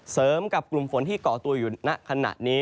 เสริมกับกลุ่มฝนที่เกาะตัวอยู่ณขณะนี้